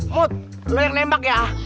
mut lu yang nembak ya